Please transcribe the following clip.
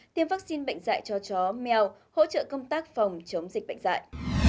tiêm vaccine bệnh dạy cho chó mèo hỗ trợ công tác phòng chống dịch bệnh dạy